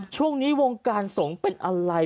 ช่วงนี้วงการสงฆ์เป็นอะไร